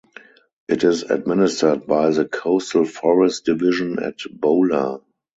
It is administered by the Coastal Forest Division at Bhola.